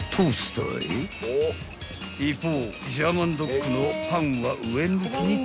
［一方］